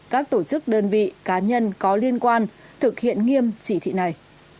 các tổ chức đơn vị cá nhân có liên quan thực hiện nghiêm chỉ thị này